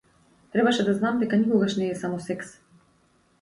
Требаше да знам дека никогаш не е само секс.